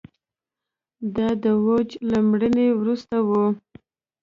دا د دوج له مړینې وروسته و